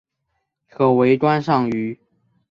可为观赏鱼。